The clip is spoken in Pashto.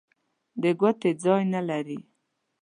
د ګوتې ځای نه لري.